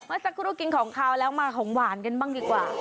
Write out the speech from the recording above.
เมื่อสักครู่กินของขาวแล้วมาของหวานกันบ้างดีกว่า